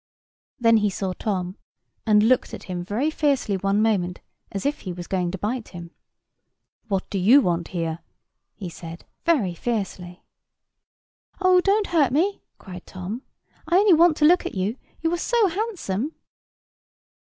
Then he saw Tom, and looked at him very fiercely one moment, as if he was going to bite him. "What do you want here?" he said, very fiercely. "Oh, don't hurt me!" cried Tom. "I only want to look at you; you are so handsome."